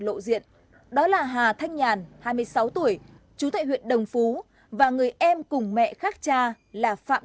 lộ diện đó là hà thanh nhàn hai mươi sáu tuổi chú tại huyện đồng phú và người em cùng mẹ khác cha là phạm